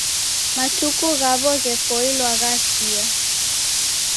Matuku ghaw'o ghepoilwa ghasia.